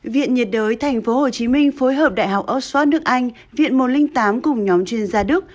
viện nhiệt đới tp hcm phối hợp đại học oxford nước anh viện một trăm linh tám cùng nhóm chuyên gia đức